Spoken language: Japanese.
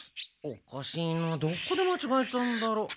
おかしいなどこでまちがえたんだろう？